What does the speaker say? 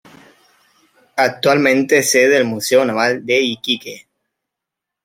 Actualmente es sede del Museo Naval de Iquique.